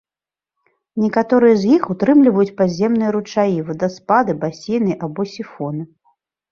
Некаторыя з іх ўтрымліваюць падземныя ручаі, вадаспады, басейны або сіфоны.